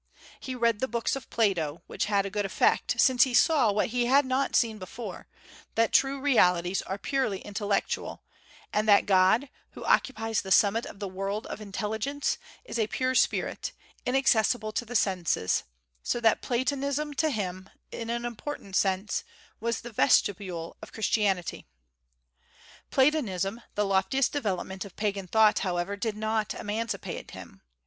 He read the books of Plato, which had a good effect, since he saw, what he had not seen before, that true realities are purely intellectual, and that God, who occupies the summit of the world of intelligence, is a pure spirit, inaccessible to the senses; so that Platonism to him, in an important sense, was the vestibule of Christianity. Platonism, the loftiest development of pagan thought, however, did not emancipate him.